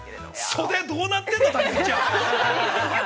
◆袖どうなってんの、竹内ちゃん。